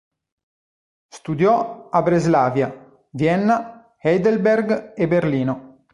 Studiò a Breslavia, Vienna, Heidelberg e Berlino.